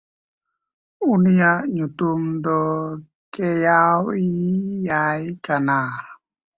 ᱩᱱᱤᱭᱟᱜ ᱧᱩᱛᱩᱢ ᱫᱚ ᱠᱮᱭᱟᱶᱤᱼᱞᱮᱭ ᱠᱟᱱᱟ᱾